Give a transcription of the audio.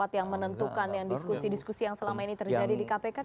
yang menentukan diskusi diskusi yang selama ini terjadi di kpk